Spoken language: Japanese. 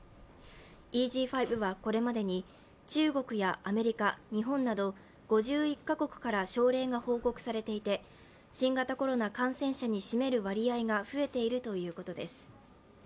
ＥＧ．５はこれまでに中国やアメリカ、日本など５１か国から症例が報告されていて新型コロナ感染者に占める割合が増えているということです。